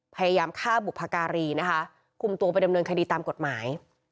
พยายามฆ่าบุพการีนะคะคุมตัวไปดำเนินคดีตามกฎหมาย